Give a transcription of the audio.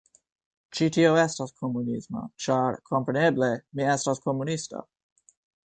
Ĉi tio estas komunismo ĉar, kompreneble, mi estas komunisto